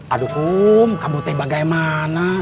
aduh kamu teh bagaimana